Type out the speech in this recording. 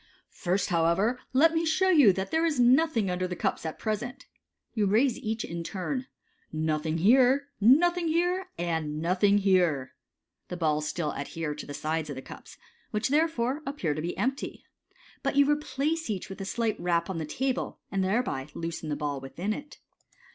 First, however, let me show you that there is nothing under the cups at present." You raise each in turn —* Nothing here, nothing here, and nothing here!'* The balls still adhere tc lAe sides of the cups, which, therefore, appear to be empty, but you replace each with a slight rap on the table, and thereby loosen the ball within it.